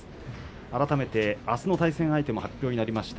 改めて、あすの対戦相手も発表になりました。